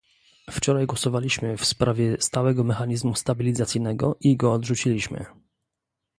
Wczoraj głosowaliśmy w sprawie stałego mechanizmu stabilizacyjnego i go odrzuciliśmy